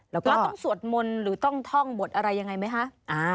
แล้วต้องสวดมนต์หรือต้องท่องบทอะไรยังไงไหมคะ